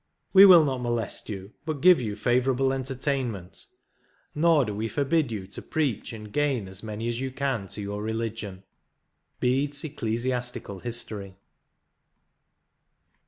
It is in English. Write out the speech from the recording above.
... We will not molest you, but give you favourable enter tainment ;*.. nor do we forbid you to preach and gain as many as you can to your religion.' "— Bedes " Ecclesiastical History.''